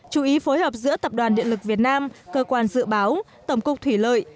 chú ý phối hợp giữa tập đoàn điện lực việt nam cơ quan dự báo tổng cục thủy lợi